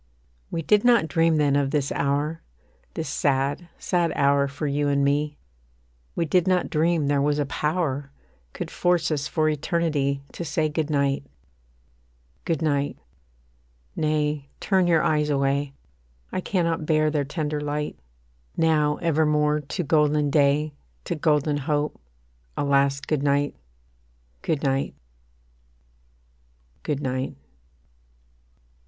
We did not dream then of this hour, This sad, sad hour for you and me; We did not dream there was a power Could force us for eternity To say Good night. Good night nay, turn your eyes away; I cannot bear their tender light. Now evermore to golden day, To golden hope, a last Good night, Good night Good night.